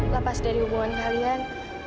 lepas dari hubungan kalian